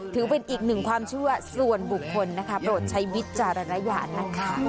ถือเป็นอีกหนึ่งความเชื่อส่วนบุคคลนะคะโปรดใช้วิจารณญาณนะคะ